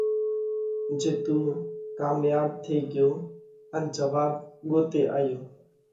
جي تُون ڪامياٻ ٿي ڳيو ان جواٻ ڳوتي آيو،